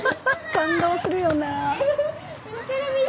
感動するよな。